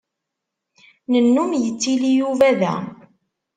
Nennum yettili Yuba da.